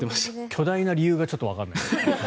巨大な理由がちょっとわからないですが。